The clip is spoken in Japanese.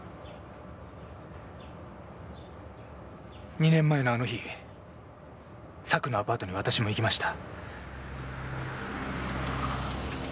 ２年前のあの日佐久のアパートに私も行きました。